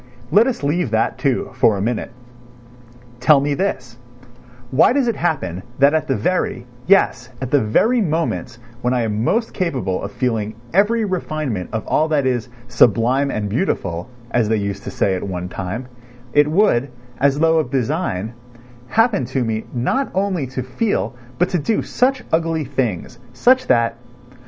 Let us leave that, too, for a minute. Tell me this: why does it happen that at the very, yes, at the very moments when I am most capable of feeling every refinement of all that is "sublime and beautiful," as they used to say at one time, it would, as though of design, happen to me not only to feel but to do such ugly things, such that